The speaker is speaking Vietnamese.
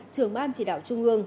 trường ban chỉ đạo trung ương